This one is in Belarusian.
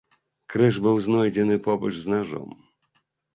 Крыж быў знойдзены побач з нажом.